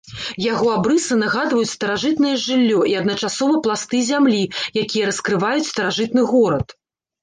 Яго абрысы нагадваюць старажытнае жыллё і адначасова пласты зямлі, якія раскрываюць старажытны горад.